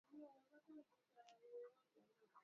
Mayi ya moto ina mu mwangikia kumikulu